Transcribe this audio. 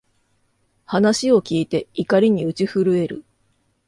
話を聞いて、怒りに打ち震える